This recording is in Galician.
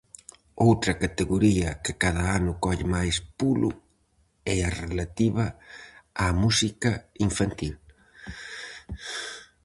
Outra categoría que cada ano colle máis pulo é a relativa á Música Infantil.